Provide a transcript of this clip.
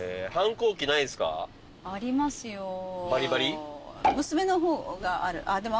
バリバリ？